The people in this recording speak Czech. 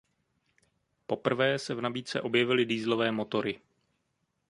Poprvé se v nabídce objevily dieselové motory.